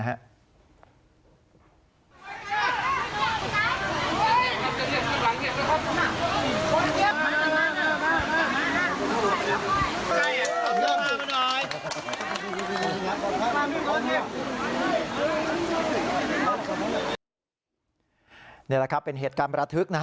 นี่แหละครับเป็นเหตุการณ์ประทึกนะฮะ